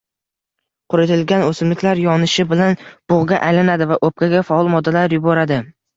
Quritilgan o'simliklar yonishi bilan bug'ga aylanadi va o'pkaga faol moddalar yuboradi